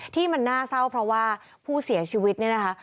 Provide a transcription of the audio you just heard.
ที่มันน่าเศร้าเพราะว่าผู้เสียชีวิตเนี่ยนะคะ